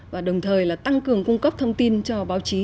và đồng thời là tăng cường cung cấp thông tin cho báo chí